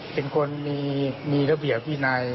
เป็นคนมีระเบียบวินัย